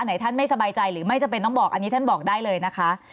ท่านไม่สบายใจหรือไม่จำเป็นต้องบอกอันนี้ท่านบอกได้เลยนะคะ